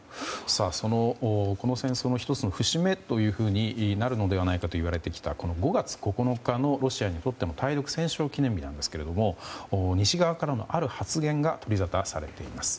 この戦争の１つの節目となるのではないかといわれてきたいわれてきた５月９日のロシアにとっての対独戦勝記念日なんですけれども西側からのある発言が取りざたされています。